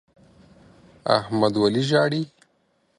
احمد ولي ژاړي؟